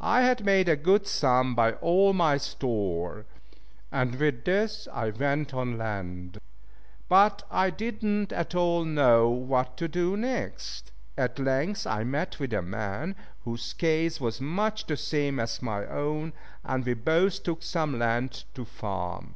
I had made a good sum by all my store, and with this I went on land. But I did not at all know what to do next. At length I met with a man whose case was much the same as my own, and we both took some land to farm.